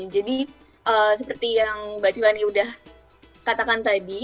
jadi seperti yang mbak tiwani sudah katakan tadi